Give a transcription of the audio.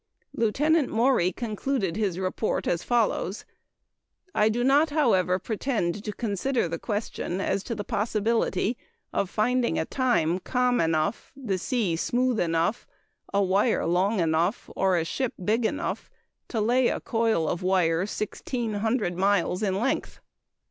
Lieutenant Maury concluded his report as follows: "I do not, however, pretend to consider the question as to the possibility of finding a time calm enough, the sea smooth enough, a wire long enough, or a ship big enough, to lay a coil of wire sixteen hundred miles in length."